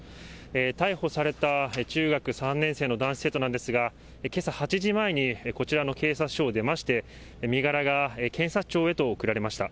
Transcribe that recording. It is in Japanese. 逮捕された中学３年生の男子生徒なんですが、けさ８時前に、こちらの警察署を出まして、身柄が検察庁へと送られました。